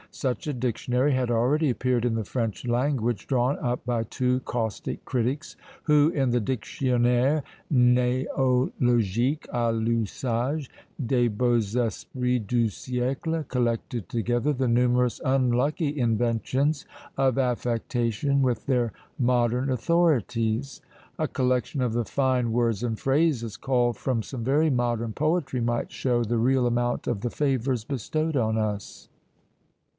Such a dictionary had already appeared in the French language, drawn up by two caustic critics, who in the Dictionnaire néologique à l'usage des beaux Esprits du Siècle collected together the numerous unlucky inventions of affectation, with their modern authorities! A collection of the fine words and phrases, culled from some very modern poetry, might show the real amount of the favours bestowed on us.